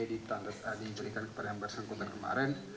diberikan kepada yang bersangkutan kemarin